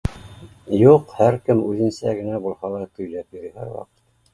Юҡ һәр кем үҙенсә генә булһа ла көйләп йөрөй һәр ваҡыт